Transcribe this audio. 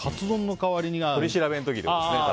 取り調べの時ですね。